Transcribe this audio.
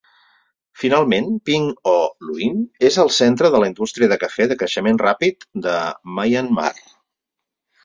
Finalment, Pyin Oo Lwin és el centre de la indústria de cafè de creixement ràpid de Myanmar.